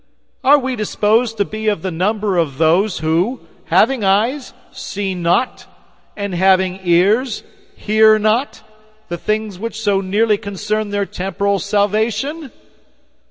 Are we disposed to be of the number of those who, having eyes, see not, and, having ears, hear not, the things which so nearly concern their temporal salvation?